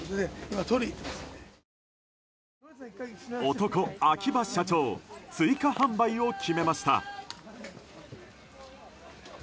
男・秋葉社長追加販売を決めました。